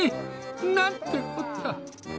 なんてこった！